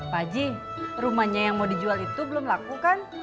paji rumahnya yang mau dijual itu belum laku kan